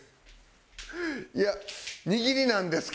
いや握りなんですけど。